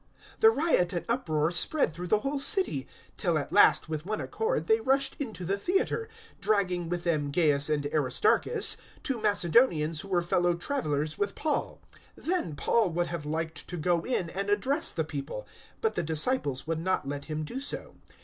019:029 The riot and uproar spread through the whole city, till at last with one accord they rushed into the Theatre, dragging with them Gaius and Aristarchus, two Macedonians who were fellow travellers with Paul. 019:030 Then Paul would have liked to go in and address the people, but the disciples would not let him do so.